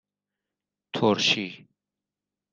ترشی